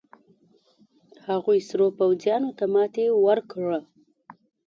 هغوې سرو پوځيانو ته ماتې ورکړه.